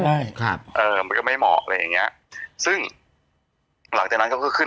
ใช่ครับเอ่อมันก็ไม่เหมาะอะไรอย่างเงี้ยซึ่งหลังจากนั้นเขาก็ขึ้น